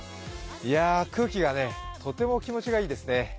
いや、空気がとても気持ちがいいですね。